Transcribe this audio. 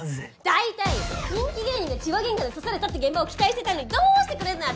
大体人気芸人が痴話喧嘩で刺されたって現場を期待してたのにどうしてくれんのよ